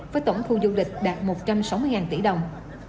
với tổng khu du lịch đạt một trăm sáu mươi tỷ đồng